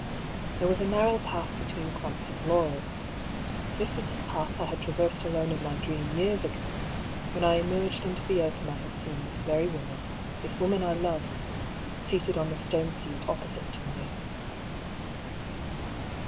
There was a narrow path between clumps of laurels. This was the path I had traversed alone in my dream years ago— when I emerged into the open I had seen this very woman — this woman I loved — seated on the stone seat opposite to me.